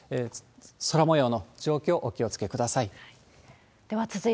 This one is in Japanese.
空もようの状況をお気をつけください。